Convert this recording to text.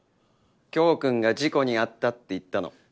京くんが事故に遭ったって言ったの。